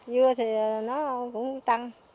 dưa thì nó cũng tăng